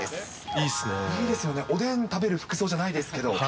いいっすね、おでん食べる服装じゃないですけど。